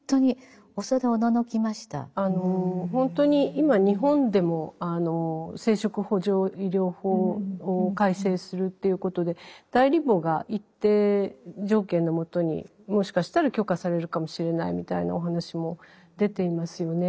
本当に今日本でも生殖補助医療法を改正するということで代理母が一定条件のもとにもしかしたら許可されるかもしれないみたいなお話も出ていますよね。